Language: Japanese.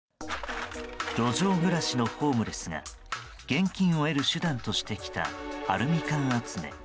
路上暮らしのホームレスが現金を得る手段としてきたアルミ缶集め。